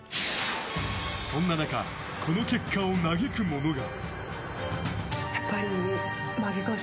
そんな中、この結果を嘆く者が。